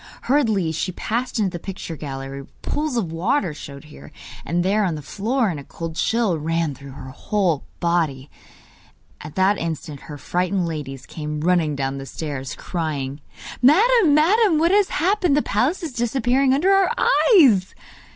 Hurriedly she passed into the picture gallery, where pools of water showed here and there on the floor, and a cold chill ran through her whole body. At that instant her frightened ladies came running down the stairs, crying: 'Madam! madam! what has happened? The palace is disappearing under our eyes!